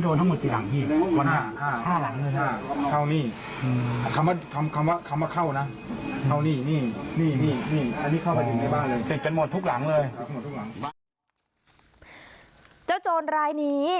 เจ้าโจรรายนี้